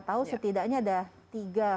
tahu setidaknya ada tiga